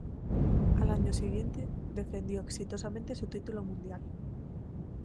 Al año siguiente defendió exitosamente su título mundial.